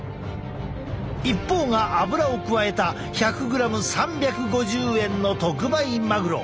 一方がアブラを加えた１００グラム３５０円の特売マグロ。